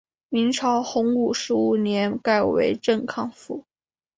明朝洪武十五年改为镇康府。